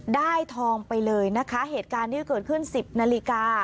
ทองไปเลยนะคะเหตุการณ์ที่เกิดขึ้นสิบนาฬิกา